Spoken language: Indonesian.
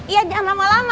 iya jangan lama lama